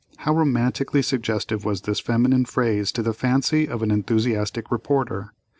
How romantically suggestive was this feminine phrase to the fancy of an enthusiastic reporter.